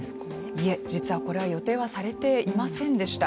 いえ、実はこれは予定はされていませんでした。